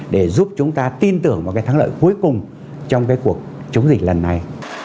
để giúp chúng ta tin tưởng vào cái thắng lợi cuối cùng trong cái cuộc chống dịch lần này